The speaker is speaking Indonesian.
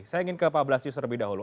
saya ingin ke pak blasius terlebih dahulu